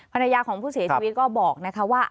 ภรรยาของผู้เสียชีวิตก็บอกนะคะว่า